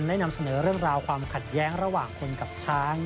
ได้นำเสนอเรื่องราวความขัดแย้งระหว่างคนกับช้าง